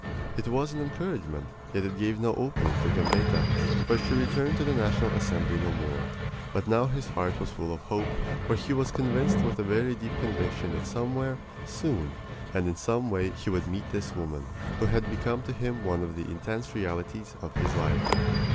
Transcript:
It was an encouragement, yet it gave no opening to Gambetta for she returned to the National Assembly no more. But now his heart was full of hope, for he was convinced with a very deep conviction that somewhere, soon, and in some way he would meet this woman, who had become to him one of the intense realities of his life.